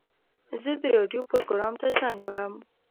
زه د راډیو پروګرام ته زنګ وهم.